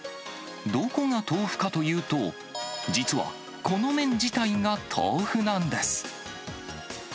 どこが豆腐かというと、実は、この麺自体が豆腐なんです。